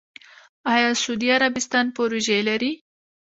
آیا سعودي عربستان پروژې لري؟